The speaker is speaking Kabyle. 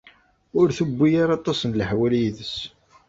Ur tewwi ara aṭas n leḥwal yid-s.